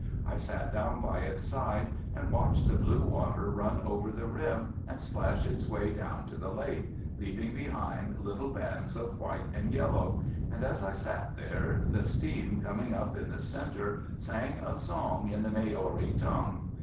I sat down by its side and watched the blue water run over the rim and splash its way down to the lake, leaving behind little bands of white and yellow, and as I sat there the steam coming up in the centre sang a song in the Maori tongue.